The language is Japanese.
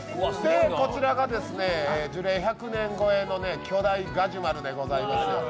こちらが樹齢１００年超えの巨大ガジュマルでございますよ。